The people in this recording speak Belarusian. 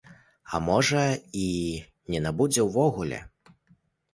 А можа, і не набудзе ўвогуле.